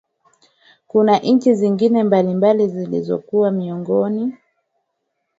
kuna nchi zingine mbalimbali zilizokuwa miongoni